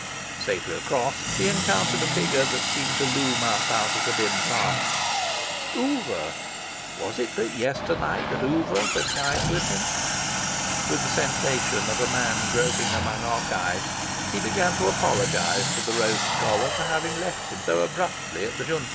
Safely across, he encountered a figure that seemed to loom up out of the dim past. Oover! Was it but yesternight that Oover dined with him? With the sensation of a man groping among archives, he began to apologise to the Rhodes Scholar for having left him so abruptly at the Junta.